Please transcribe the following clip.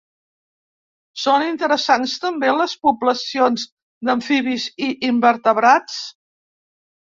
Són interessants també les poblacions d'amfibis i invertebrats.